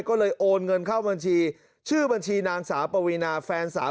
ก็เลยโอนเงินเข้าบัญชีชื่อบัญชีนางสาวปวีนาแฟนสาว